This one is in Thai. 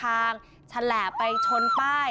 โอ๊ย